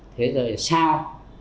thế rồi sao